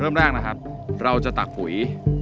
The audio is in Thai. เริ่มแรกนะครับเราจะตักปุ๋ย